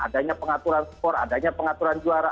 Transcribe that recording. adanya pengaturan skor adanya pengaturan juara